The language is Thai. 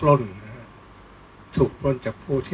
ก็ต้องทำอย่างที่บอกว่าช่องคุณวิชากำลังทำอยู่นั่นนะครับ